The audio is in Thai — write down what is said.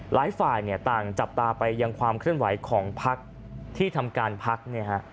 หลายฝ่ายต่างจับตาไปยังความเคลื่อนไหวของพักที่ทำการพัก